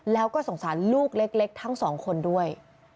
แล้วก็สงสารลูกเล็กทั้งสองคนด้วย